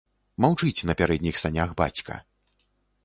Маўчыць на пярэдніх санях бацька.